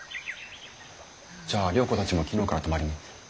じゃあ良子たちも昨日から泊まりに。